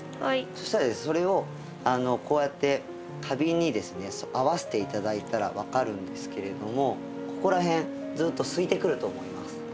そしたらそれをこうやって花瓶にですね合わせて頂いたら分かるんですけれどもここら辺ずっとすいてくると思います。